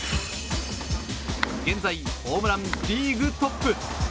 現在、ホームランリーグトップ。